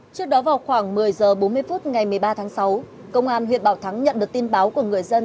trước đó vào khoảng một mươi h bốn mươi phút ngày một mươi ba tháng sáu công an huyện bảo thắng nhận được tin báo của người dân